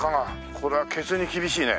これはケツに厳しいね。